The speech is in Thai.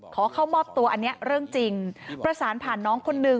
ขอเข้ามอบตัวอันนี้เรื่องจริงประสานผ่านน้องคนนึง